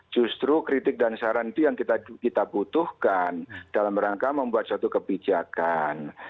justru kritik dan saran itu yang kita butuhkan dalam rangka membuat suatu kebijakan